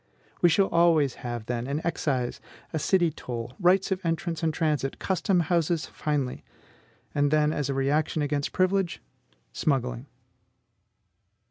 We shall always have, then, an excise, a city toll, rights of entrance and transit, custom houses finally; and then, as a reaction against privilege, smuggling.